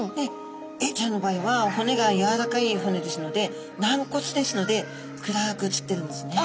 エイちゃんの場合は骨がやわらかい骨ですので軟骨ですので暗く写ってるんですね。